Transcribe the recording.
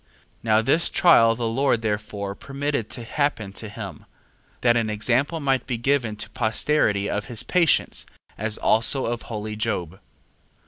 2:12. Now this trial the Lord therefore permitted to happen to him, that an example might be given to posterity of his patience, as also of holy Job.